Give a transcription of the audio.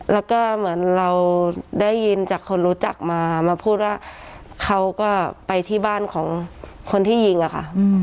แล้วก็เหมือนเราได้ยินจากคนรู้จักมามาพูดว่าเขาก็ไปที่บ้านของคนที่ยิงอะค่ะ